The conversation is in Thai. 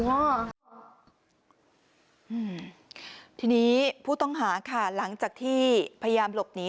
อืมทีนี้ผู้ต้องหาค่ะหลังจากที่พยายามหลบหนี